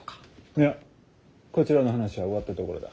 いやこちらの話は終わったところだ。